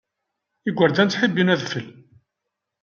Igerdan ttḥibbin adfel.